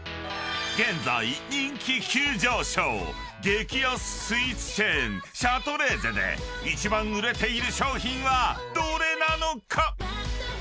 ［激安スイーツチェーンシャトレーゼで一番売れている商品はどれなのか？］